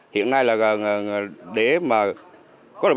hiện nay là để mà các đồng chí nhận đúng việc có nhiệm vụ